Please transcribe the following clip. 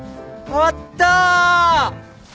あった！